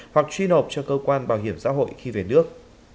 hoặc truy nộp cho cơ quan bảo hiểm xã hội khi về nước